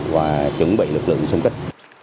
và chuẩn bị lực lượng xung kích